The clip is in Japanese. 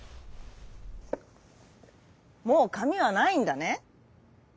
「もうかみはないんだね？